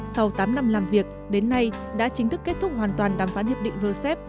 sau tám năm làm việc đến nay đã chính thức kết thúc hoàn toàn đàm phán hiệp định rcep